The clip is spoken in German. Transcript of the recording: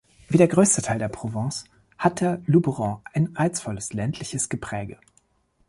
Wie der größte Teil der Provence hat der Luberon ein reizvolles ländliches Gepräge.